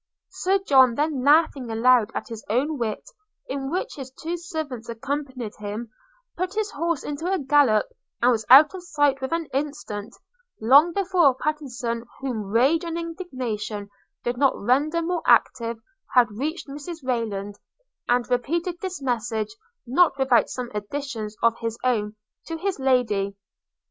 Sir John then laughing aloud at his own wit, in which his two servants accompanied him, put his horse into a gallop, and was out of sight in an instant; long before Pattenson, whom rage and indignation did not render more active, had reached Mrs Rayland, and repeated this message, not without some additions of his own, to his Lady.